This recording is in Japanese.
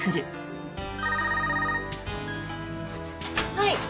はい。